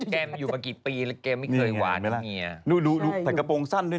คุณเมย์มากี่ปีแล้วแต่งานนี้กี่ปีอุ้ยประมาณสัก๓๔ปี